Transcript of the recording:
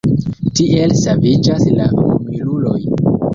Tiel saviĝas la humiluloj.